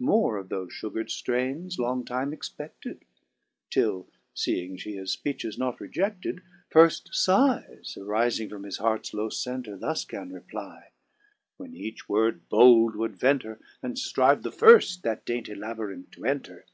More of thofe fugred ftraines long time expefted ; Till feeing fhe his fpeeches not rejedled, Firft fighes arifing from his heart's low center. Thus gan reply, when each word bold would venter. And ftrive the firft that dainty labyrinth to enter.